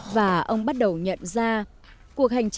và ông bắt đầu nhận ra những mảnh gốm vỡ trải dài suốt dọc bờ sông ven thôn